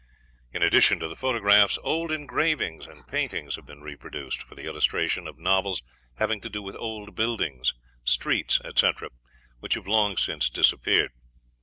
In addition to the photographs, old engravings and paintings have been reproduced for the illustration of novels having to do with old buildings, streets, etc., which have long since disappeared.